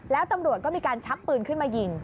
แล้วตำรวจก็มีการชักปืนขึ้นมายิง